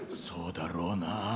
そうだろうな。